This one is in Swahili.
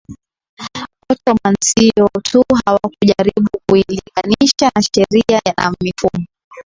Ottoman sio tu hawakujaribu kuilinganisha na sheria na mifumo